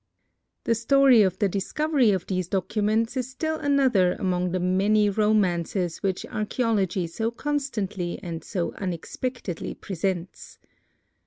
The story of the discovery of these documents is still another among the many romances which archæology so constantly and so unexpectedly presents.